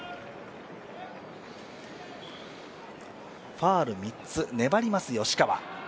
ファウル３つ、粘ります、吉川。